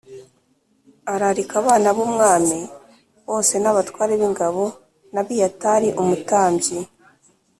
ararika abana b’umwami bose n’abatware b’ingabo na Abiyatari umutambyi